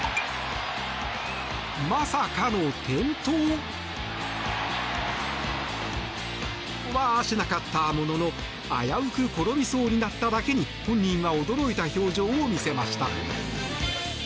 まさかの転倒？は、しなかったものの危うく転びそうになっただけに本人は驚いた表情を見せました。